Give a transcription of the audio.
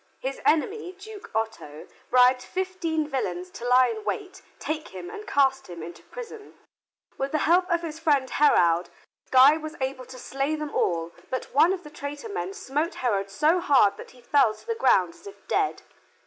His enemy, Duke Otto, bribed fifteen villains to lie in wait, take him and cast him into prison. With the help of his friend Heraud, Guy was able to slay them all, but one of the traitor men smote Heraud so hard that he fell to the ground as if dead.